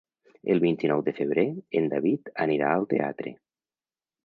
El vint-i-nou de febrer en David anirà al teatre.